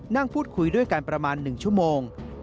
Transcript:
นั่งพูดคุยด้วยกันประมาณ๑ชั่วโมง